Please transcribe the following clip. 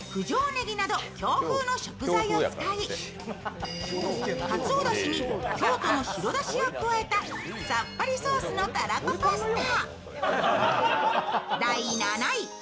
ねぎなど京風の食材を使い、かつおだしに京都の白だしを加えたさっぱりソースのたらこパスタ。